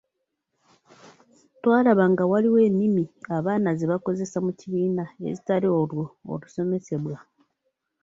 Twalaba nga waliwo ennimi abaana ze bakozesa mu kibiina ezitali olwo olusomesesbwamu.